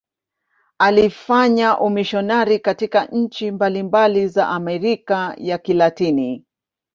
Alifanya umisionari katika nchi mbalimbali za Amerika ya Kilatini.